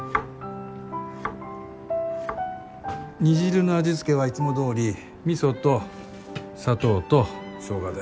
煮汁の味付けはいつもどおり味噌と砂糖とショウガで。